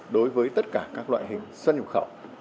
đối với tất cả các loại hình xuân nhục khẩu